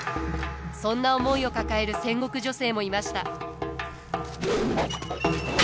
そんな思いを抱える戦国女性もいました。